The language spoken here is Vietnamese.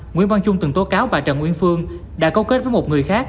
nguyễn văn trung từng tố cáo bà trần nguyễn phương đã cố kết với một người khác